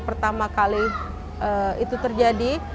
pertama kali itu terjadi